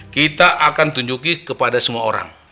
kita akan tunjuki kepada semua orang